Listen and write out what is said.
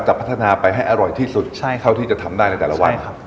พัฒนาไปให้อร่อยที่สุดเท่าที่จะทำได้ในแต่ละวัน